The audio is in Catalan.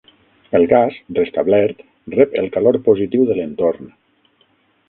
El gas, restablert, rep el calor positiu de l'entorn.